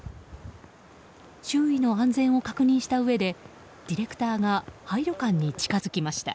周囲の安全を確認したうえでディレクターが廃旅館に近づきました。